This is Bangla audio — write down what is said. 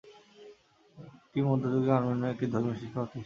এটি মধ্যযুগীয় আর্মেনিয়ার একটি ধর্মীয় শিক্ষা প্রতিষ্ঠান।